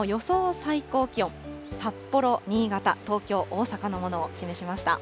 最高気温、札幌、新潟、東京、大阪のものを示しました。